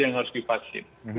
yang harus dipaksin